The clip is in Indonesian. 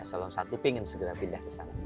eselon satu ingin segera pindah ke sana